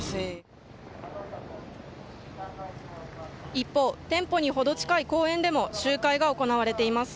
一方、店舗にほど近い公園でも集会が行われています。